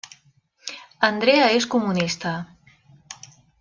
Andrea és comunista.